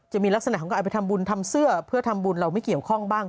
จะมีลักษณะของการเอาไปทำบุญทำเสื้อเพื่อทำบุญเราไม่เกี่ยวข้องบ้าง